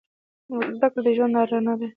زده کړه د ژوند رڼا ده.